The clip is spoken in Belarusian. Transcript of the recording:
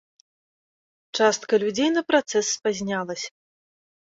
Частка людзей на працэс спазнялася.